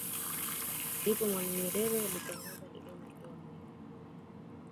Ndipo Mwalimu Nyerere aliitangaza Dodoma kuwa mji mkuu